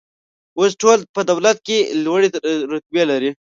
اوس ټول په دولت کې لوړې رتبې لري.